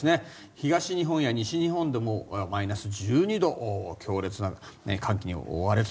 東日本や西日本でもマイナス１２度強烈な寒気に覆われると。